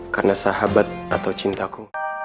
karena sahabat atau cintaku